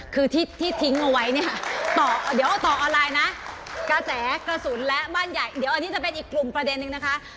คือที่ทิ้งเอาไว้เนี่ยต่อเดี๋ยวเอาต่อออนไลน์นะกระแสกระสุนและบ้านใหญ่เดี๋ยวอันนี้จะเป็นอีกกลุ่มประเด็นนึงนะคะ